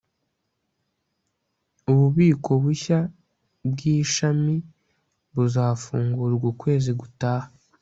ububiko bushya bwishami buzafungurwa ukwezi gutaha